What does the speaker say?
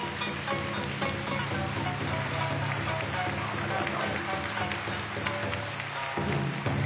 ありがとうございます。